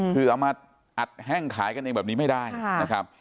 คือเอามาอัดแห้งขายกันเองแบบนี้ไม่ได้นะครับ